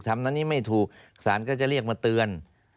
ทำนั้นนี้ไม่ถูกสารก็จะเรียกมาเตือน